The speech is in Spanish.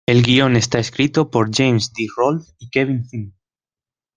El guion está escrito por James D. Rolfe y Kevin Finn.